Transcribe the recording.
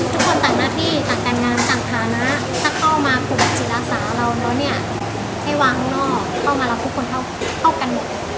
ต่างหน้าที่ต่างการงานต่างฐานะถ้าเข้ามาปลูกจิตอาสาเราแล้วเนี่ยให้วางข้างนอกเข้ามารับทุกคนเท่ากันหมด